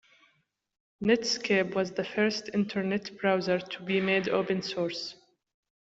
Netscape was the first internet browser to be made open source.